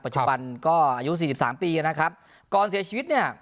จุบันก็อายุสี่สิบสามปีนะครับก่อนเสียชีวิตเนี่ย